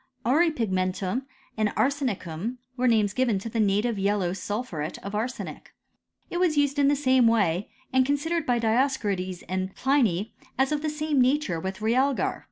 Auripigmentum and arsenicum were names given to the native yellow sulphuret of arsenic. It was used in the same way, and considered by Dioscorides and Pliny as of the same nature with realgar.